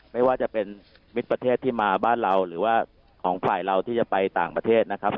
ไม่ว่าจะเป็นมิตรประเทศที่มาบ้านเราหรือว่าของฝ่ายเราที่จะไปต่างประเทศนะครับ